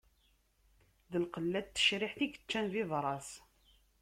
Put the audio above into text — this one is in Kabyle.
D lqella n tecriḥt i yeččan bibras.